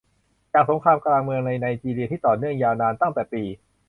จากสงครามกลางเมืองในไนจีเรียที่ต่อเนื่องยาวนานตั้งแต่ปี